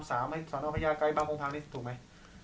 สอนอพญาไกรบางพงภาคนี้ถูกไหม